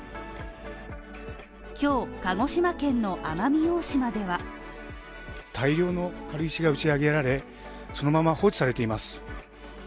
今日、鹿児島県の奄美大島では大量の軽石が打ち上げられ、そのまま放置されています。